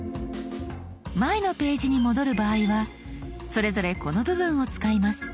前のページに戻る場合はそれぞれこの部分を使います。